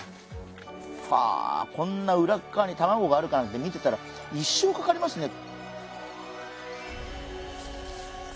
はあこんな裏っ側に卵があるかなんて見てたら一生かかりますね。